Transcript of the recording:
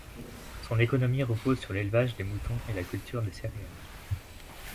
Son économie repose sur l'élevage des moutons et la culture des céréales.